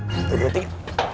satu dua tiga